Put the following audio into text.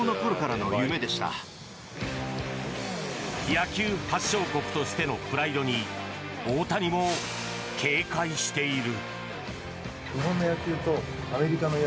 野球発祥国としてのプライドに大谷も警戒している。